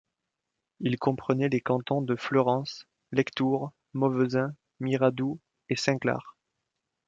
Il comprenait les cantons de Fleurance, Lectoure, Mauvezin, Miradoux et Saint-Clar.